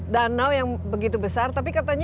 danau yang begitu besar tapi katanya